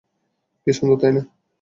কি সুন্দর, তাই না?